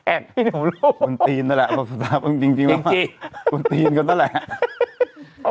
แอบมันตีนก็แล้วแหละจริงมันตีนก็แล้วแหละ